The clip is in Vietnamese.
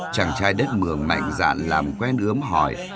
chàng trai con cun mường mạnh dạn làm quen ướm hỏi